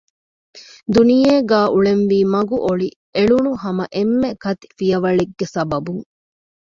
ދުނިޔޭގައި އުޅެންވީ މަގު އޮޅި އެޅުނު ހަމަ އެންމެ ކަތިފިޔަވަޅެއްގެ ސަބަބުން